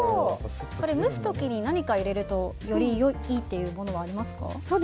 蒸す時に何か入れるとよりいいというものはありますか。